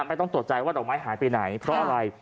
ไม่ต้องตกใจว่าดอกไม้หายไปไหนเพราะอะไร